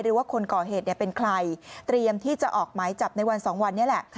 ว่าคนก่อเหตุเป็นใครเตรียมที่จะออกหมายจับในวัน๒วันนี้แหละ